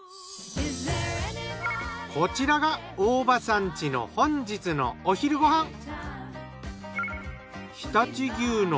こちらが大場さん家の本日のお昼ご飯。